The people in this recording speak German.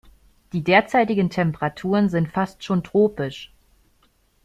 Die derzeitigen Temperaturen sind fast schon tropisch.